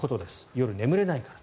夜、眠れないから。